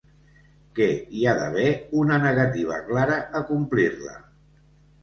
Que hi ha d’haver una negativa clara a complir-la.